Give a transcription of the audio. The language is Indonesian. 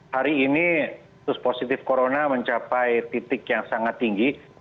hari ini kasus positif corona mencapai titik yang sangat tinggi